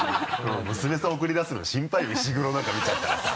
うん娘さんを送り出すのに心配よ石黒なんか見ちゃったらさ。